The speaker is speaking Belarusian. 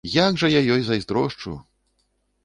Як жа я ёй зайздрошчу!